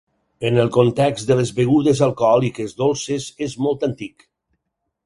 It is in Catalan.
En el context de les begudes alcohòliques dolces és molt antic.